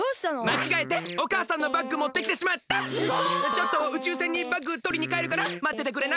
ちょっと宇宙船にバッグとりにかえるからまっててくれない？